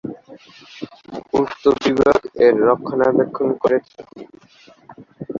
পূর্ত বিভাগ এর রক্ষণাবেক্ষণ করে থাকে।